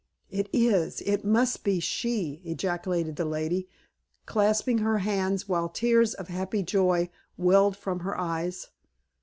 "It is it must be she!" ejaculated the lady, clasping her hands while tears of happy joy welled from her eyes.